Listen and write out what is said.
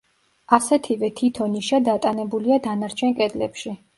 ასეთივე თითო ნიშა დატანებულია დანარჩენ კედლებში.